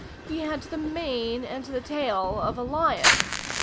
He had the mane and the tail of a lion.